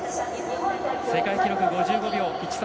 世界記録、５５秒１３。